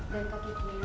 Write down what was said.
dan kok bisa dihubungi